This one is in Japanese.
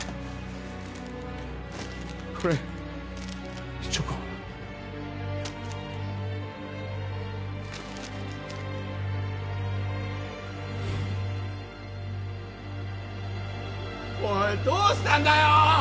これチョコおいどうしたんだよ！